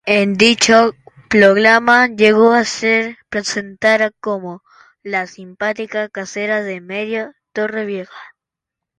En dicho programa llegó a ser presentada como: "La simpática casera de medio Torrevieja".